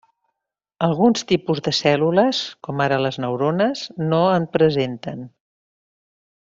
Alguns tipus de cèl·lules, com ara les neurones, no en presenten.